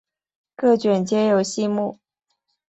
各卷皆有细目。